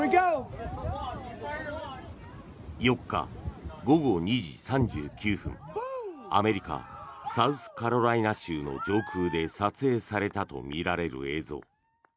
４日午後２時３９分アメリカ・サウスカロライナ州の上空で撮影されたとみられる映像。